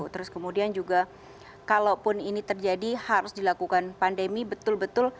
terus kemudian juga kalaupun ini terjadi harus dilakukan pandemi betul betul